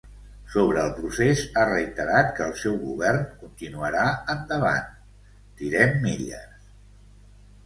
Sobre el procés, ha reiterat que el seu govern continuarà endavant: Tirem milles.